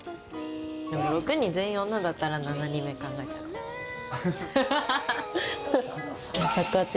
でも６人全員、女だったら７人目考えちゃうかもしれない。